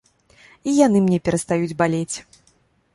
І яны мне перастаюць балець.